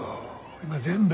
今全部！